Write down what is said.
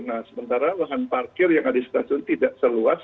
nah sementara lahan parkir yang ada di stasiun tidak seluas